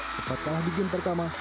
sempat kalah di game pertama